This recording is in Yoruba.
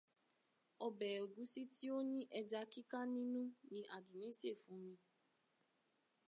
Ọbẹ̀ ẹ̀gúsí tí ó ní ẹja kíká nínú ni Àdùnní se fún mi.